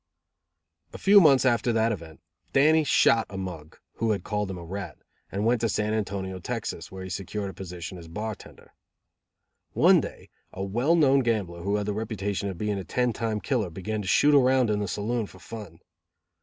A few months after that event Dannie shot a mug, who had called him a rat, and went to San Antonio, Texas, where he secured a position as bartender. One day a well known gambler who had the reputation of being a ten time killer began to shoot around in the saloon for fun.